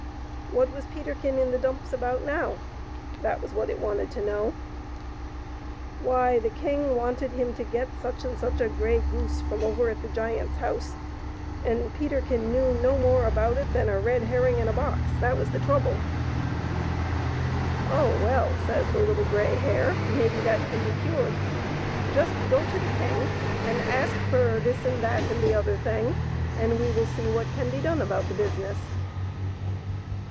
What was Peterkin in the dumps about now ? That was what it wanted to know. Why, the king wanted him to get such and such a grey goose from over at the giant's house, and Peterkin knew no more about it than a red herring in a box ; that was the trouble. PETERKIN AND THE LITTLE GREY HARE. i8i " Oh, well/* says the Little Grey Hare, " maybe that can be cured ; just go to the king and ask for this and that and the other thing, and we will see what can be done about the business."